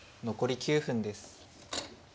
残り９分です。